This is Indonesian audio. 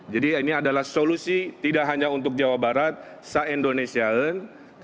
jadi ini adalah solusi tidak hanya untuk jawa barat se indonesiaan